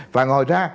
và ngồi ra